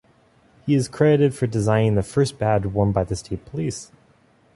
He is credited for designing the first badge worn by the state police.